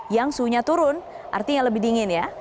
yang suhunya turun artinya lebih dingin ya